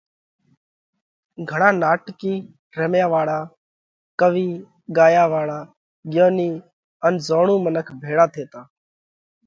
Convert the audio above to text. گھڻا ناٽڪِي، رميا واۯا، ڪوِي، ڳايا واۯا، ڳيونِي ان زوڻُو منک ڀيۯا ٿيتا۔